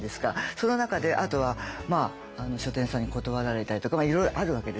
その中であとは書店さんに断られたりとかいろいろあるわけですよね。